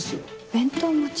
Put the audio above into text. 弁当持ち？